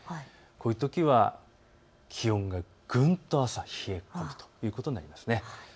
こういうときは気温がぐんと冷え込むということになります。